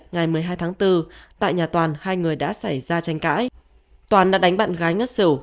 ngày một mươi hai tháng bốn tại nhà toàn hai người đã xảy ra tranh cãi toàn đã đánh bạn gái ngất xỉu